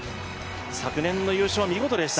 昨年の優勝は見事でした。